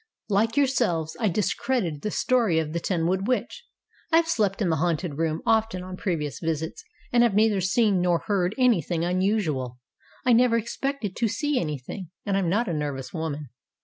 "Like yourselves, I discredited the story of the Tenwood Witch. I have slept in the haunted room often on previous visits, and have neither seen nor heard anything unusual. I never expected to see anything, and I am not a nervous woman.